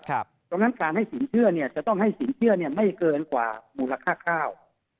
เพราะฉะนั้นการให้สินเชื่อจะต้องให้สินเชื่อไม่เกินกว่ามูลค่าข้าว